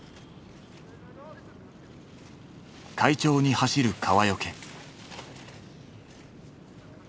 快調に走る川除。